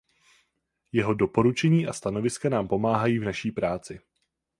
Jeho doporučení a stanoviska nám pomáhají v naší práci.